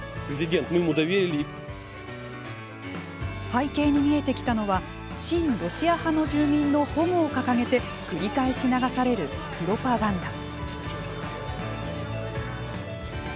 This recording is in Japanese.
背景に見えてきたのは親ロシア派の住民の保護を掲げて繰り返し流されるプロパガンダ。